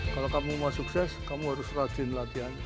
kalau kamu mau sukses kamu harus rajin latihan